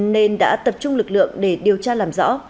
nên đã tập trung lực lượng để điều tra làm rõ